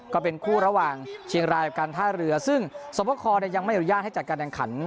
ก็เป็นคู่ระหว่างเชียงราอีกการท่าเรือซึ่งสมโภคคอร์เนี่ยยังไม่อยู่ยากให้จัดการแห่งขัน